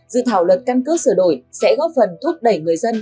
dự thảo luật căn cước sửa đổi sẽ góp phần thúc đẩy người dân